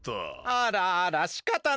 あらあらしかたないですね。